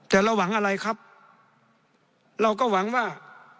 แต่เราหวังอะไรครับเราก็หวังว่า